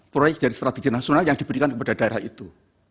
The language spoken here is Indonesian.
proyek dari strategi nasional yang diberikan kepada daerah itu